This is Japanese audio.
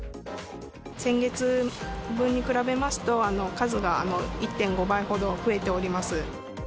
先月分に比べますと、数が１．５倍ほど増えております。